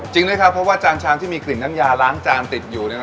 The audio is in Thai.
จริงนะครับเพราะว่าจานชามที่มีกลิ่นน้ำยาล้างจานติดอยู่